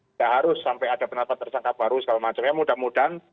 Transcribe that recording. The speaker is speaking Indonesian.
tidak harus sampai ada penetapan tersangka baru segala macam ya mudah mudahan